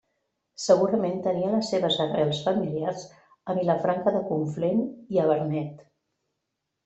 Segurament tenia les seves arrels familiars a Vilafranca de Conflent i a Vernet.